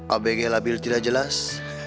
abagelabil tidak jelas